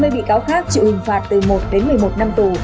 hai mươi bị cáo khác chịu hình phạt từ một đến một mươi một năm tù